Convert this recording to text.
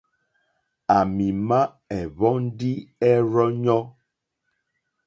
À mì má ɛ̀hwɔ̀ndí ɛ́rzɔ́ŋɔ́.